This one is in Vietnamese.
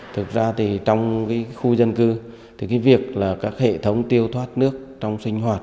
thực ra trong khu dân cư việc các hệ thống tiêu thoát nước trong sinh hoạt